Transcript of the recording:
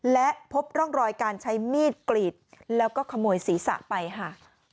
และพบร่องรอยการใช้มีดกรีดแล้วก็ขโมยศีรษะไปค่ะ